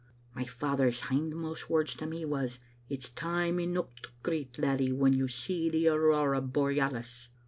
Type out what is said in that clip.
My father's hinmost words to me was, *It*s time eneuch to greet, laddie, when you see the aurora borealis.